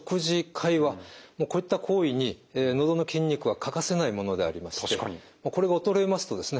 もうこういった行為にのどの筋肉は欠かせないものでありましてこれが衰えますとですね